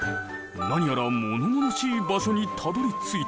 何やらものものしい場所にたどりついた。